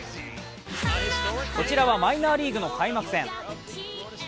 こちらはマイナーリーグの開幕戦。